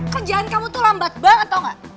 kerjaan kamu tuh lambat banget tau gak